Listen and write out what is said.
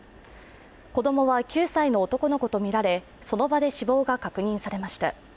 子供は９歳の男の子とみられ、その場で死亡が確認されました。